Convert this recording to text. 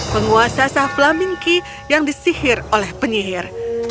penguasa saflaminki yang disihir oleh penyihir